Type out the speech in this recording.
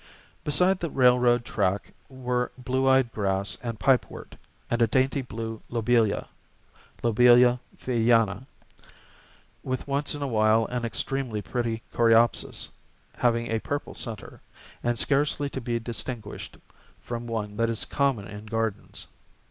Beside the railway track were blue eyed grass and pipewort, and a dainty blue lobelia (L. Feayana), with once in a while an extremely pretty coreopsis, having a purple centre, and scarcely to be distinguished from one that is common in gardens.